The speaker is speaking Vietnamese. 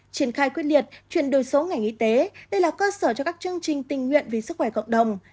triển khai quyết liệt chuyển đổi số ngành y tế đây là cơ sở cho các chương trình tình nguyện vì sức khỏe cộng đồng